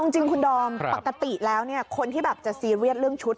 จริงคุณดอมปกติแล้วคนที่แบบจะซีเรียสเรื่องชุด